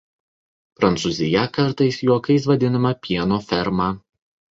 Prancūzija kartais juokais vadinama „Pieno ferma“.